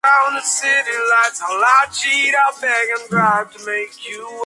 El equipo suele acabar las temporadas en la mitad inferior de la tabla.